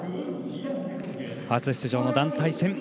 初出場の団体戦